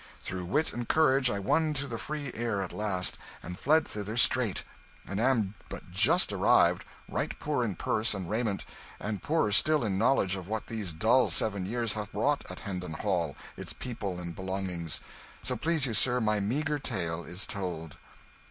Through wit and courage I won to the free air at last, and fled hither straight; and am but just arrived, right poor in purse and raiment, and poorer still in knowledge of what these dull seven years have wrought at Hendon Hall, its people and belongings. So please you, sir, my meagre tale is told."